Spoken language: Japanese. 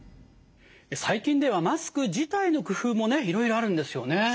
最近ではマスク自体の工夫もねいろいろあるんですよね。